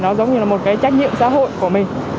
nó giống như là một cái trách nhiệm xã hội của mình